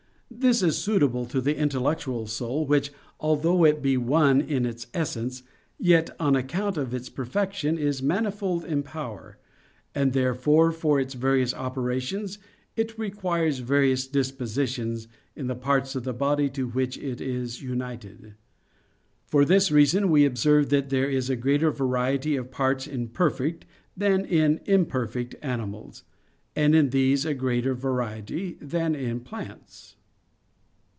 This is suitable to the intellectual soul, which, although it be one in its essence, yet on account of its perfection, is manifold in power: and therefore, for its various operations it requires various dispositions in the parts of the body to which it is united. For this reason we observe that there is a greater variety of parts in perfect than in imperfect animals; and in these a greater variety than in plants.